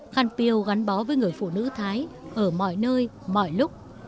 khăn piêu gắn bó với người phụ nữ thái ở mọi nơi mọi lúc